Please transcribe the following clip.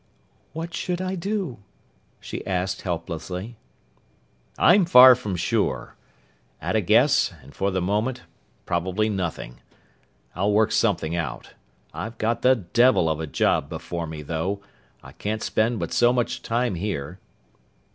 "What should I do?" she asked helplessly. "I'm far from sure. At a guess, and for the moment, probably nothing. I'll work something out. I've got the devil of a job before me, though. I can't spend but so much time here."